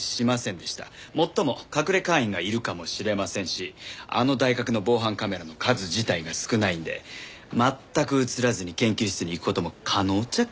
もっとも隠れ会員がいるかもしれませんしあの大学の防犯カメラの数自体が少ないんで全く映らずに研究室に行く事も可能っちゃ可能なんですが。